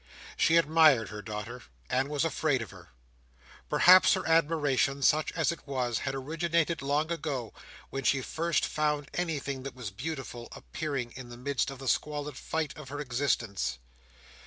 She admired her daughter, and was afraid of her. Perhaps her admiration, such as it was, had originated long ago, when she first found anything that was beautiful appearing in the midst of the squalid fight of her existence.